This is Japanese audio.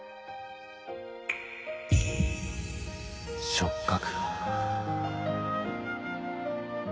触覚